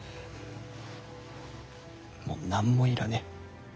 もう何もいらねぇ。